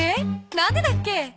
何でだっけ？